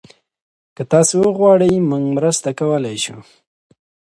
که تاسي وغواړئ، موږ مرسته کولی شو.